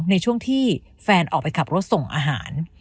ในช่วงที่แฟนออกไปขับรถส่งอาหาร